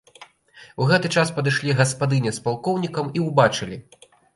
У гэты час падышлі гаспадыня з палкоўнікам і ўбачылі.